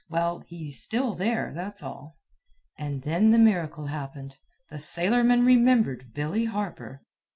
Well, he's still there, that's all." And then the miracle happened. The sailorman remembered Billy Harper.